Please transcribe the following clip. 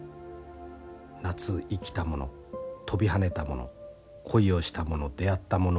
夏生きたもの跳びはねたもの恋をしたもの出会ったもの